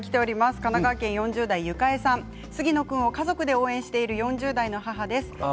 神奈川県４０代の方杉野君を家族で応援している４０代の母です。